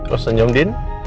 oh senyum din